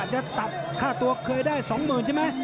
จะตัดค่าตัวเคยได้๒๐๐๐ใช่ไหม